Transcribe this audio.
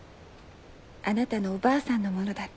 あなたのおばあさんのものだって。